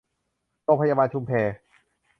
โรงพยาบาลชุมแพ